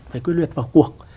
phải quyết liệt vào cuộc